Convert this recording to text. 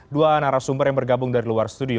dua narasumber yang bergabung dari luar studio